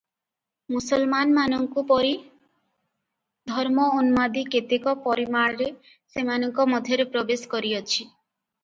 ମୁସଲମାନମାନଙ୍କୁ ପରି ଧର୍ମଉନ୍ମାଦି କେତେକ ପରିମାଣରେ ସେମାନଙ୍କ ମଧ୍ୟରେ ପ୍ରବେଶ କରିଅଛି ।